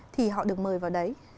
thì họ được mời vào đấy